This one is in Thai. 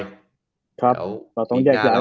เดี๋ยวอะไรรู้นะเรามาเจอกันอีกที